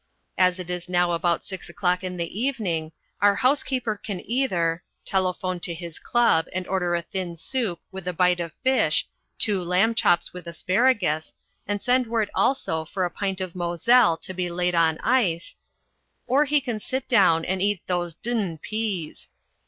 As it is now about six o'clock in the evening, our housekeeper can either TELEPHONE TO HIS CLUB AND ORDER A THIN SOUP WITH A BITE OF FISH, TWO LAMB CHOPS WITH ASPARAGUS, AND SEND WORD ALSO FOR A PINT OF MOSELLE TO BE LAID ON ICE Or he can sit down and eat those d n peas.